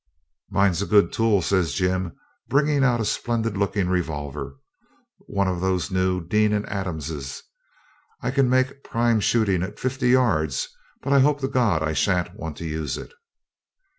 'Mine's a good tool,' says Jim, bringing out a splendid looking revolver one of these new Dean and Adams's. 'I can make prime shooting at fifty yards; but I hope to God I shan't want to use it.'